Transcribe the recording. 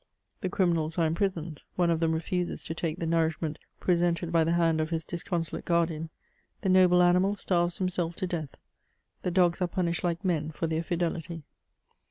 The criminals are impri soned ; one of them refuses to take the nourishment presented by the hand of his disconsolate guardian ; the noble animal starves himself to death : the dogs are punished like men for their fidelity.